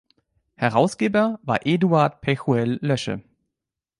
Herausgeber war Eduard Pechuel-Loesche.